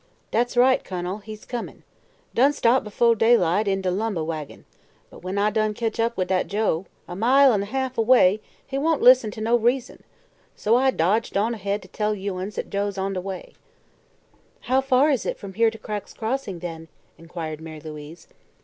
"Dat's right, Kun'l; he's comin'. Done start befoh daylight, in de lumbeh wagin. But when I done ketch up wi' dat Joe a mile 'n' a half away he won't lis'n to no reason. So I dodged on ahead to tell you uns dat Joe's on de way." "How far is it from here to Cragg's Crossing, then?" inquired Mary Louise.